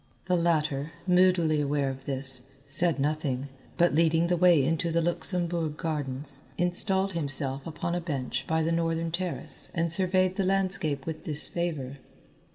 The latter, moodily aware of this, said nothing, but leading the way into the Luxembourg Gardens installed himself upon a bench by the northern terrace and surveyed the landscape with disfavour.